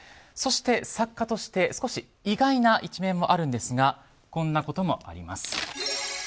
そして、作家として少し意外な一面もあるんですがこんなこともあります。